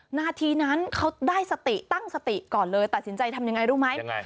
หน้าที่นั้นเขาได้ตั้งสติก่อนเลยตัดสินใจทำอย่างไรรู้ไหม